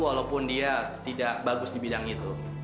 walaupun dia tidak bagus di bidang itu